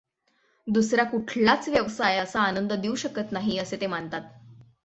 दुसरा कुठलाच व्यवसाय असा आनंद देऊ शकत नाही, असे ते मानतात.